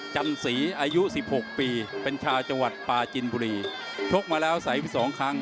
จันสีอายุสิบหกปีเป็นชาวจังหวัดปลาจินบุรีชกมาแล้วใส่ไปสองครั้ง